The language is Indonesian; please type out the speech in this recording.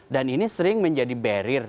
dan ini sering menjadi barrier